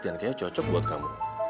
kayaknya cocok buat kamu